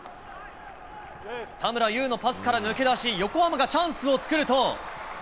田村優のパスから抜け出し、横浜がチャンスを作ると。